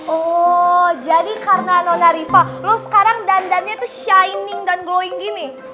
oh jadi karena nona riva lo sekarang dandannya itu shining dan glowing gini